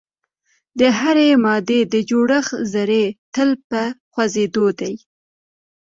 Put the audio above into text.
د هرې مادې د جوړښت ذرې تل په خوځیدو دي.